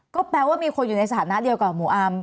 ก็แปลว่ามีคนอยู่ในสถานะเดียวกับหมู่อาร์ม